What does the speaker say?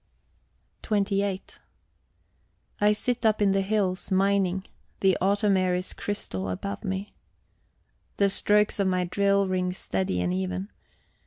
XXVIII I sit up in the hills, mining. The autumn air is crystal about me. The strokes of my drill ring steady and even.